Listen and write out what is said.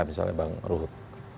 misalnya bang ruhut